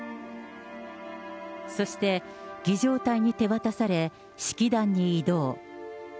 そして、儀じょう隊に手渡され、式壇に移動。